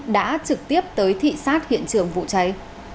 đã trực tiếp tới thị xát hiện trường vụ cháy